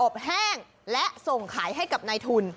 แห้งและส่งขายให้กับนายทุน